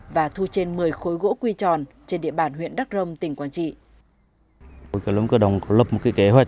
và thu trên một mươi khối gỗ của quốc gia